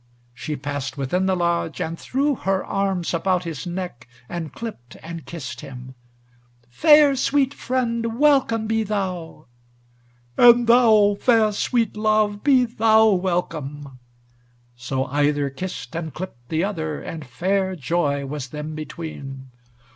She passed within the lodge, and threw her arms about his neck, and clipped and kissed him. "Fair sweet friend, welcome be thou." "And thou, fair sweet love, be thou welcome." So either kissed and clipped the other, and fair joy was them between.